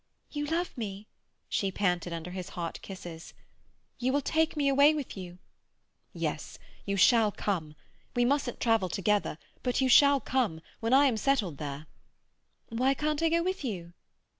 "You love me?" she panted under his hot kisses. "You will take me away with you?" "Yes, you shall come. We mustn't travel together, but you shall come—when I am settled there—" "Why can't I go with you?"